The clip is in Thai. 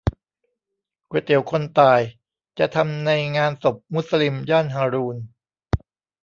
ก๋วยเตี๋ยวคนตาย จะทำในงานศพมุสลิม ย่านฮารูณ